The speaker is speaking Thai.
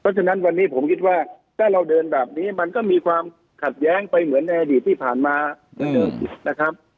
ฉะนั้นวันนี้ผมคิดว่าถ้าเราเดินแบบนี้มันก็มีความขัดแย้งไปเหมือนในอดีตที่ผ่านมาเหมือนเดิมนะครับ